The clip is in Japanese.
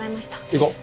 行こう。